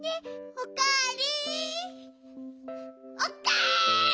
おかえり。